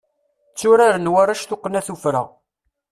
Tturaren warrac tuqqna tuffra.